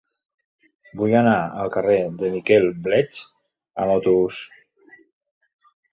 Vull anar al carrer de Miquel Bleach amb autobús.